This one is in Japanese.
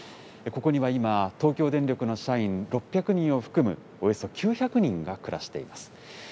ここには今、東京電力の社員６００人を含む、およそ９００人が暮らしています。